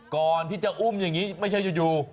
ก่อนที่จะอุ้มอย่างนี้ไม่ใช่อยู่